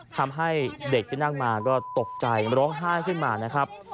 ทำให้เด็กที่นั่งมาก็ตกใจร้องไห้ขึ้นมานะครับ